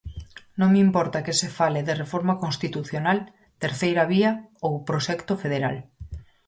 Non me importa que se fale de reforma constitucional, terceira vía ou proxecto federal.